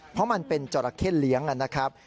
เพราะมันเป็นจราเข้เลี้ยงนะครับ